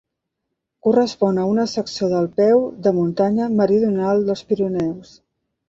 Correspon a una secció del peu de muntanya meridional dels Pirineus.